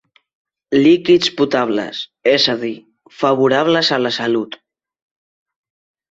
Líquids potables, és a dir, favorables a la salut.